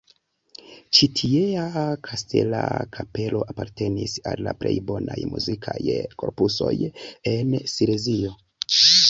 Ĉi tiea kastela kapelo apartenis al la plej bonaj muzikaj korpusoj en Silezio.